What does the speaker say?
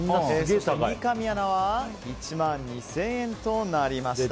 三上アナは１万２０００円となりました。